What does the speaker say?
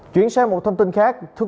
chuyển sang một thông tin khác